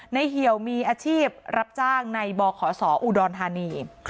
เหี่ยวมีอาชีพรับจ้างในบขศอุดรธานี